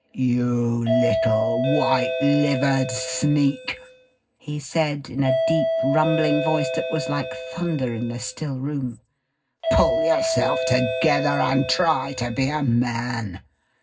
"You little, white livered sneak," he said in a deep rumbling voice that was like thunder in the still room. "Pull yourself together and try to be a man.